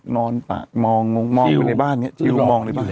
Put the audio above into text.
นอนปะมองไปในบ้านมองอยู่แล้วอะไรอย่างเงี้ย